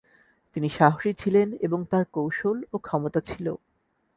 তিনি সাহসী ছিলেন এবং তাঁর কৌশল ও ক্ষমতা ছিল।